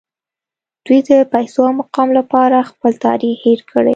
دوی د پیسو او مقام لپاره خپل تاریخ هیر کړی